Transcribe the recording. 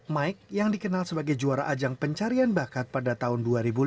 mike yang dikenal sebagai juara ajang pencarian bakat pada tahun dua ribu lima